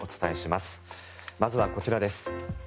まずはこちらです。